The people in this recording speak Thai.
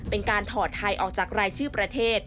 เป็นการถอดไทยออกจากรายชื่อประเทศ